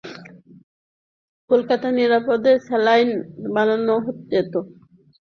কলকাতায় নিরাপদে স্যালাইন বানানো যেত, কিন্তু যথেষ্ট পরিমাণে খালি বোতল ছিল না।